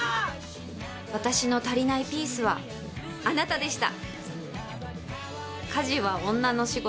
私の足りないピースはあなたでした。